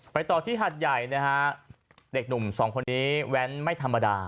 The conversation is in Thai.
ต่อที่หัดใหญ่นะฮะเด็กหนุ่มสองคนนี้แว้นไม่ธรรมดา